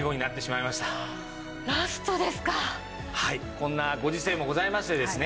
こんなご時世もございましてですね